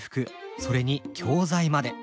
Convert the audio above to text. それに教材まで。